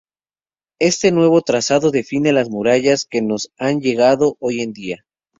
Este nuevo trazado define las murallas que nos han llegado hoy en día.